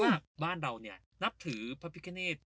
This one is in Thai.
ว่าครูในบ้านน้ำถือพระพิคะเนต